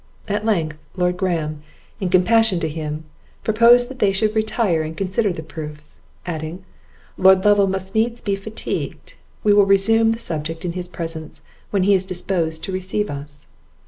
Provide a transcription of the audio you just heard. At length, Lord Graham, in compassion to him, proposed that they should retire and consider of the proofs; adding, "Lord Lovel must needs be fatigued; we will resume the subject in his presence, when he is disposed to receive us."